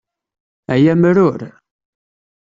Ay amrur!